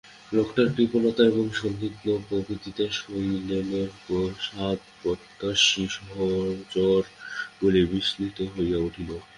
লোকটার কৃপণতা এবং সন্দিগ্ধ প্রকৃতিতে শৈলেনের প্রসাদপ্রত্যাশী সহজরগুলি বিস্মিত হইয়া উঠিল।